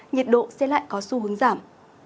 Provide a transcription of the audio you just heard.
nhiệt độ sẽ lại có xu hướng giảm